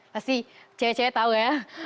pasti cewe cewe tahu ya